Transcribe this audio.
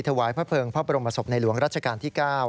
ถวายพระเภิงพระบรมศพในหลวงรัชกาลที่๙